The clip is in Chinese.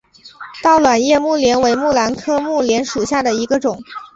倒卵叶木莲为木兰科木莲属下的一个种。